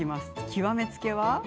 極めつきは。